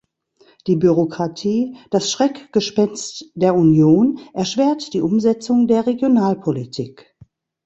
Die Bürokratie, das Schreckgespenst der Union, erschwert die Umsetzung der Regionalpolitik.